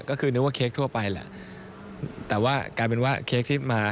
ก็คือนึกว่าเค้กทั่วไปแหละแต่ว่ากลายเป็นว่าเค้กที่มา